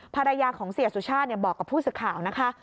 ภรรยาของเสียสุชาติบอกกับผู้สื่อข่าวนะคะ